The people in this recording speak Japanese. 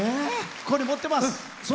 ここに持ってます。